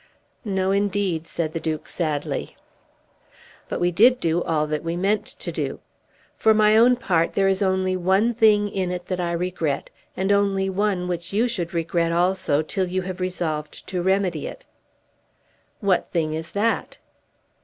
"No, indeed," said the Duke, sadly. "But we did do all that we meant to do. For my own part, there is only one thing in it that I regret, and one only which you should regret also till you have resolved to remedy it." "What thing is that?"